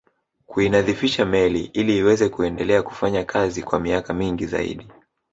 Kuinadhifisha meli ili iweze kuendelea kufanya kazi kwa miaka mingi zaidi